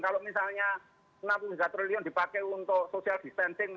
kalau misalnya enam puluh tiga triliun dipakai untuk social distancing